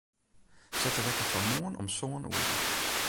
Set de wekker foar moarn om sân oere.